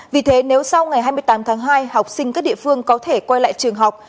vì thế nếu sau ngày hai mươi tám tháng hai học sinh các địa phương có thể quay lại trường học